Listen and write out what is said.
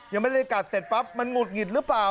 ยังไม่ได้กัดเสร็จปั๊บมันหุดหงิดหรือเปล่า